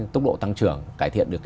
tốc độ tăng trưởng cải thiện được